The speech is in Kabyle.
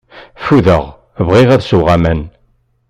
Fudeɣ, bɣiɣ ad sweɣ aman.